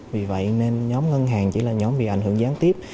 vì vậy nên nhóm ngân hàng chỉ là nhóm bị ảnh hưởng gián tiếp